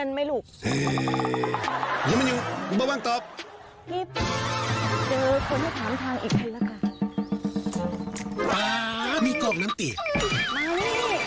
ดำมี่ครับแม่จำเนียนอยู่